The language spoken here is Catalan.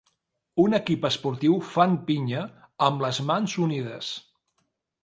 Un equip esportiu fan pinya amb les mans unides.